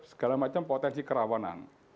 segala macam potensi kerawanan